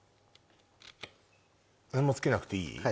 何もつけなくていい？